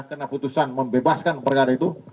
karena putusan membebaskan perkara itu